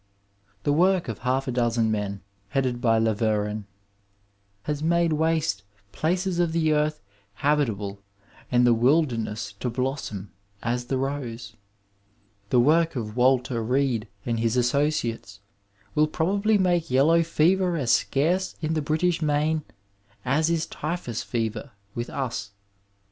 The work of half a dozen men, headed by Laveran, has made waste places of the earth habitable and the wilderness to blossom as the rose. The work of Walter Reed and his associates will probably make yellow fever as scarce in the Spanish Main as is typhus fever with us.